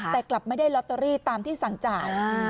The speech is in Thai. แต่กลับไม่ได้ลอตเตอรี่ตามที่สั่งจ่าย